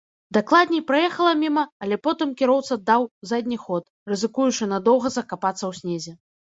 Дакладней, праехала міма, але потым кіроўца даў задні ход, рызыкуючы надоўга закапацца ў снезе.